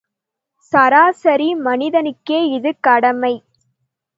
சராசரி மனிதனுக்கே இது கடமை.